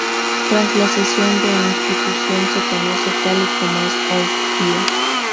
Tras la cesión la institución se conoce tal y como es hoy día.